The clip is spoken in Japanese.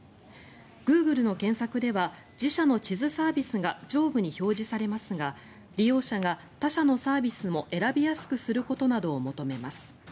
グーグルの検索では自社の地図サービスが上部に表示されますが利用者が他社のサービスも選びやすくすることなども求めます。